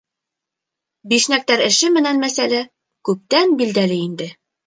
— Бишнәктәр эше менән мәсьәлә күптән билдәле инде.